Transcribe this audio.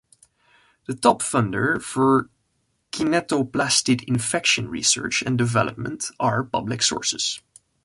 The top funder for kinetoplastid infection research and development are public sources.